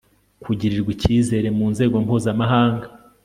kugirirwa ikizere mu nzego mpuzamahanga